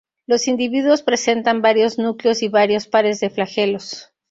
Los individuos presentan varios núcleos y varios pares de flagelos.